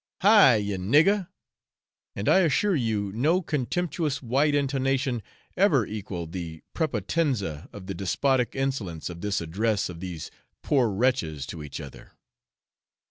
hi! you niggar!' And I assure you no contemptuous white intonation ever equalled the prepotenza of the despotic insolence of this address of these poor wretches to each other.